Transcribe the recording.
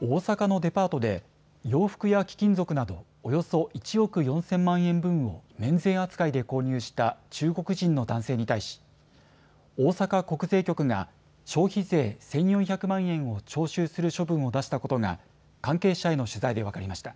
大阪のデパートで洋服や貴金属などおよそ１億４０００万円分を免税扱いで購入した中国人の男性に対し大阪国税局が消費税１４００万円を徴収する処分を出したことが関係者への取材で分かりました。